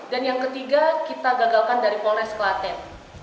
dan yang ketiga kita gagalkan dari polres kelaten